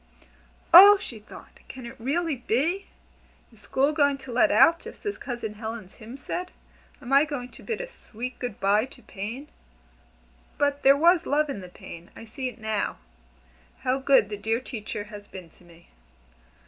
"Oh!" she thought, "can it really be? Is School going to 'let out,' just as Cousin Helen's hymn said? Am I going to 'Bid a sweet good bye to Pain?' But there was Love in the Pain. I see it now. How good the dear Teacher has been to me!"